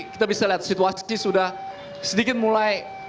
kita bisa lihat situasi sudah sedikit mulai